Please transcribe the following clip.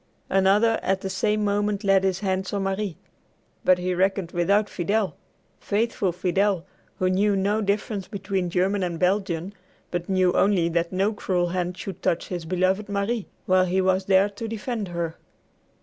Another at the same moment laid his hands on Marie. But he reckoned without Fidel, faithful Fidel, who knew no difference between German and Belgian, but knew only that no cruel hand should touch his beloved Marie, while he was there to defend her.